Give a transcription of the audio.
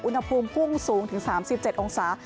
อุณหภูมิพุ่งสูงถึง๓๗องศา